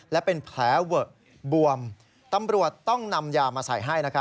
และเป็นแผลเวอะบวมตำรวจต้องนำยามาใส่ให้